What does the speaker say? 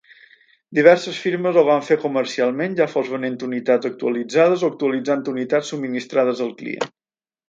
Diverses firmes ho van fer comercialment, ja fos venent unitats actualitzades o actualitzant unitats subministrades al client.